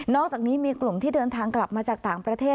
อกจากนี้มีกลุ่มที่เดินทางกลับมาจากต่างประเทศ